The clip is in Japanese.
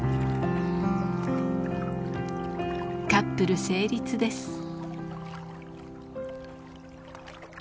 カップル成立です。